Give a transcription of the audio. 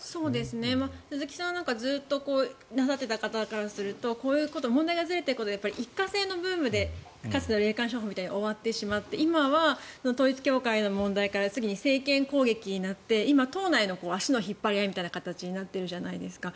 鈴木さんなんかずっとなさっていたからするとこういうこと問題がずれていくことで一過性のブームでかつての霊感商法みたいに終わってしまう今は統一教会の問題から次に政権攻撃になって今、党内の足の引っ張り合いみたいな形になってるじゃないですか。